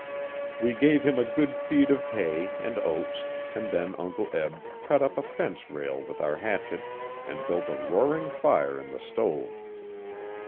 We gave him a good feed of hay and oats, and then Uncle Eb cut up a fence rail with our hatchet and built a roaring fire in the stove.